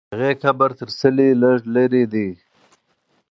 د هغې قبر تر څلي لږ لرې دی.